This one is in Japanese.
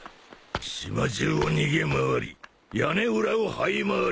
島中を逃げ回り屋根裏をはい回り